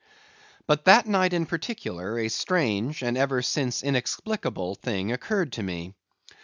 But that night, in particular, a strange (and ever since inexplicable) thing occurred to me.